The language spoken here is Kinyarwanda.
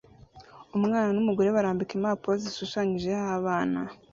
Umwana numugore barambika impapuro zishushanyijeho abana